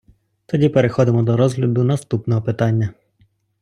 Тоді переходимо до розгляду наступного питання!